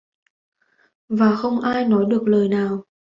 Và không ai nói được lời nào